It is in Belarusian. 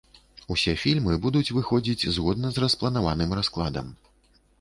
Усе фільмы будуць выходзіць згодна з распланаваным раскладам.